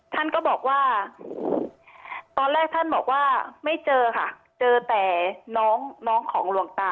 ท่านก็บอกว่าตอนแรกท่านบอกว่าไม่เจอค่ะเจอแต่น้องของหลวงตา